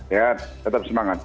ya tetap semangat